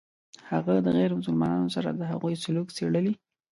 هغه د غیر مسلمانانو سره د هغوی سلوک څېړلی.